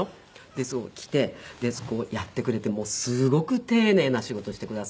で来てやってくれてすごく丁寧な仕事してくだすって。